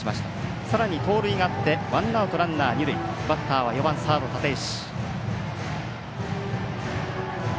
さらに盗塁があってワンアウト、ランナー、二塁バッターは４番、立石。